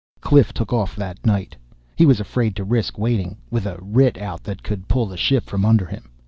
Cliff took off that night. He was afraid to risk waiting with a writ out that could pull the ship from under him.